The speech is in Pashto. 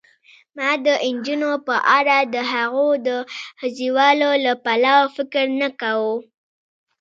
ما د نجونو په اړه دهغو د ښځوالي له پلوه فکر نه کاوه.